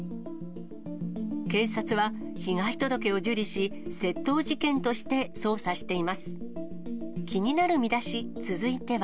警察は被害届を受理し、窃盗事件として捜査しています。